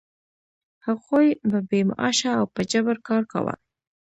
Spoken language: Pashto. هغوی به بې معاشه او په جبر کار کاوه.